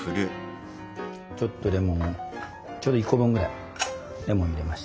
ちょっとレモンをちょうど１個分ぐらいレモン入れました。